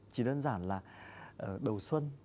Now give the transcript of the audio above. chỉ đơn giản là đầu xuân